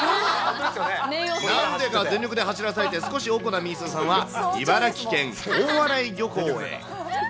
なぜか全力で走らされて、少しおこなみーすーさんは茨城県大洗漁港へ。